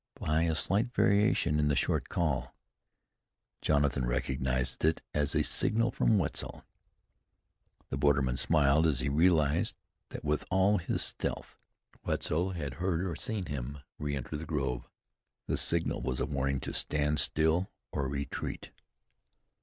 By a slight variation in the short call, Jonathan recognized it as a signal from Wetzel. The borderman smiled as he realized that with all his stealth, Wetzel had heard or seen him re enter the grove. The signal was a warning to stand still or retreat.